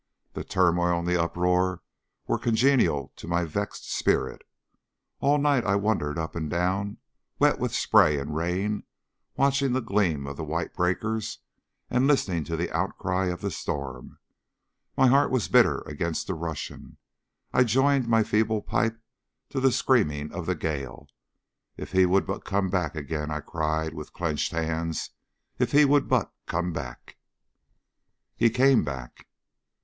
The turmoil and the uproar were congenial to my vexed spirit. All night I wandered up and down, wet with spray and rain, watching the gleam of the white breakers and listening to the outcry of the storm. My heart was bitter against the Russian. I joined my feeble pipe to the screaming of the gale. "If he would but come back again!" I cried with clenched hands; "if he would but come back!" He came back.